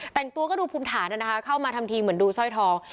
แต่งตัวก็ดูภูมิฐานนะคะเข้ามาทำทีเหมือนดูสร้อยทอง